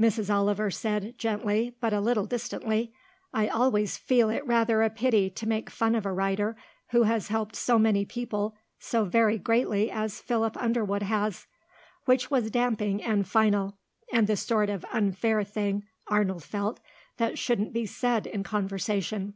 Mrs. Oliver said, gently, but a little distantly, "I always feel it rather a pity to make fun of a writer who has helped so many people so very greatly as Philip Underwood has," which was damping and final, and the sort of unfair thing, Arnold felt, that shouldn't be said in conversation.